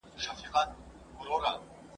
ښکاره او څرگنده بڼه خپله کړه